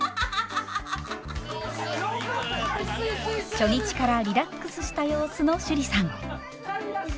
初日からリラックスした様子の趣里さん。